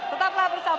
tetaplah bersama kami